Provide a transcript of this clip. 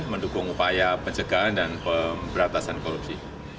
mendukung upaya pencegahan dan pemberantasan korupsi